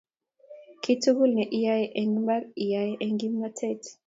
Kiy tugul ne iyae eng' imbar iyai eng' kimnatet